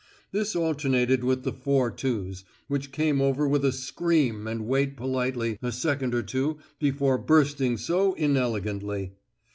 This alternated with the 4·2's, which come over with a scream and wait politely a second or two before bursting so inelegantly."